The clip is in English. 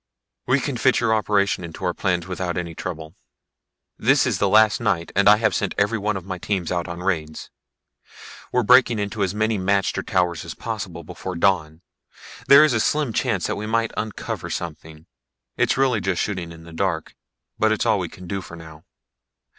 We can fit your operation into our plans without any trouble. This is the last night and I have sent every one of my teams out on raids. We're breaking into as many magter towers as possible before dawn. There is a slim chance that we might uncover something. It's really just shooting in the dark, but it's all we can do now.